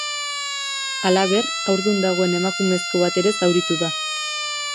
Halaber, haurdun dagoen emakumezko bat ere zauritu da.